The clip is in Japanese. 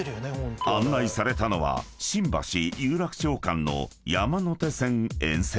［案内されたのは新橋・有楽町間の山手線沿線］